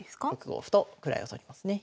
６五歩と位を取りますね。